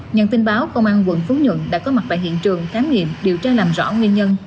nhận tin báo công an quận phú nhuận đã có mặt tại hiện trường khám nghiệm điều tra làm rõ nguyên nhân